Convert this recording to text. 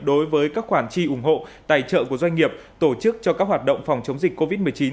đối với các khoản chi ủng hộ tài trợ của doanh nghiệp tổ chức cho các hoạt động phòng chống dịch covid một mươi chín